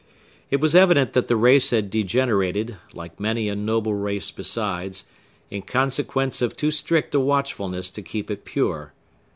It was evident that the race had degenerated, like many a noble race besides, in consequence of too strict a watchfulness to keep it pure.